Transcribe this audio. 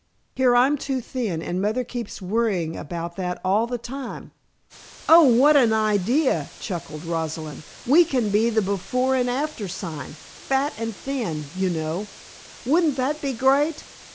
"Here I'm too thin and mother keeps worrying about that all the time " "Oh, what an idea!" chuckled Rosalind. "We can be the Before and After sign fat and thin, you know. Wouldn't that be great?"